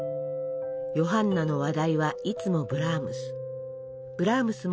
「ヨハンナの話題はいつもブラームス。